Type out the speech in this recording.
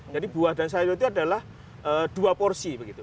jadi buah dan sayur itu adalah dua porsi begitu